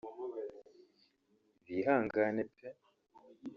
bihangane pe